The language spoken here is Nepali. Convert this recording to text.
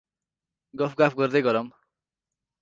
गफ गाफ गर्दै गरम!